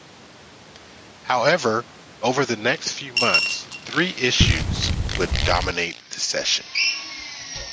However over the next few months three issues would dominate the session.